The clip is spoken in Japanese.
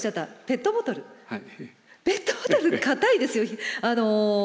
ペットボトル固いですよ蓋。